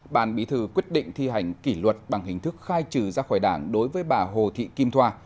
ban bí thư quyết định thi hành kỷ luật bằng hình thức khai trừ ra khỏi đảng đối với bà hồ thị kim thoa